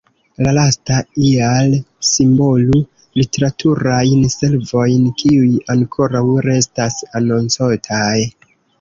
La lasta ial simbolu "literaturajn servojn", kiuj ankoraŭ restas "anoncotaj".